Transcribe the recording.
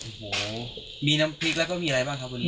โอ้โหมีน้ำพริกแล้วก็มีอะไรบ้างครับวันนี้